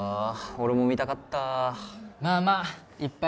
俺も見たかったまあまあいっぱい